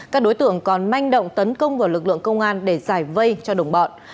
các đối tượng còn manh động tấn công vào lực lượng công an để giải vây cho đồng bọn